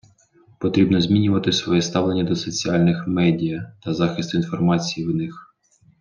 Потрібно змінювати своє ставлення до соціальних медіа та захисту інформації в них.